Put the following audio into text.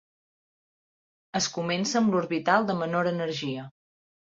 Es comença amb l'orbital de menor energia.